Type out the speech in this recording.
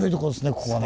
ここはね。